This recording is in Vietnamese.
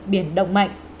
biển động mạnh